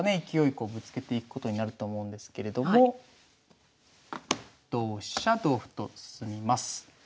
勢いこうぶつけていくことになると思うんですけれども同飛車同歩と進みます。